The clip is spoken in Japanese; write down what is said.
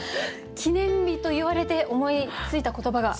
記念日と言われて思いついた言葉が。